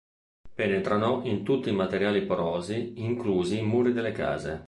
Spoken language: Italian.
Penetrano in tutti i materiali porosi, inclusi i muri delle case.